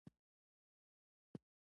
هېڅ پرواه ئې نۀ لرم -